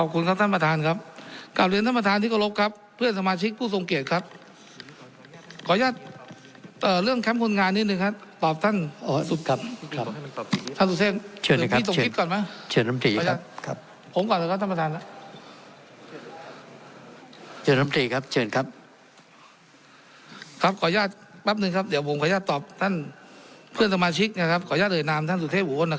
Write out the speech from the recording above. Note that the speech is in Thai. กราวหน้าครับขอฉากือเบิศที